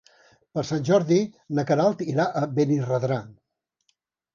Per Sant Jordi na Queralt irà a Benirredrà.